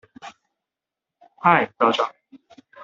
はい、どうぞ。